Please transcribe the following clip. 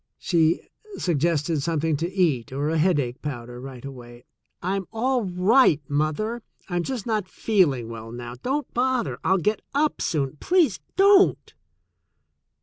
She suggested something to eat or a headache powder right away. "I'm all right, mother. I'm just not feeling well now. Don't bother. I'll get up soon. Please don't."